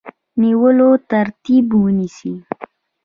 نیولو ترتیب ونیسي.